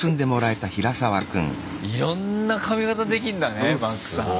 いろんな髪形できんだねマックさん。